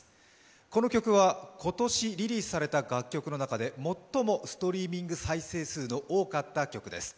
この曲は今年リリースされた楽曲の中で最もストリーミング再生数の多かった曲です。